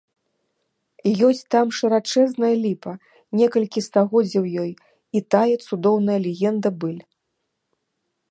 Ёсць там шырачэзная ліпа, некалькі стагоддзяў ёй, і тая цудоўная легенда-быль.